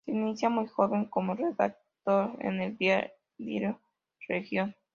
Se inicia, muy joven, como redactor en el diario "Región".